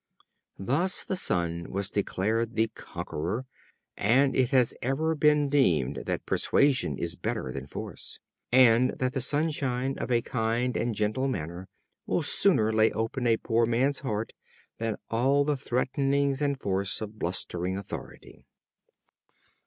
Thus the Sun was declared the conqueror; and it has ever been deemed that persuasion is better than force; and that the sunshine of a kind and gentle manner will sooner lay open a poor man's heart than all the threatenings and force of blustering authority.